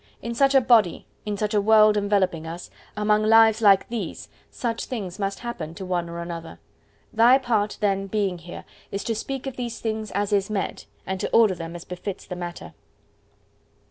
... In such a body, in such a world enveloping us, among lives like these, such things must happen to one or another. Thy part, then, being here, is to speak of these things as is meet, and to order them as befits the matter.